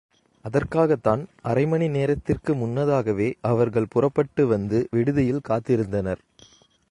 அதற்காகத்தான் அரைமணி நேரத்திற்கு முன்னதாகவே அவர்கள் புறப்பட்டு வந்து விடுதியில் காத்திருந்தனர்.